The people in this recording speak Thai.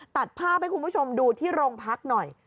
ตัดภาพให้คุณผู้ชมดูที่โรงพักหน่อย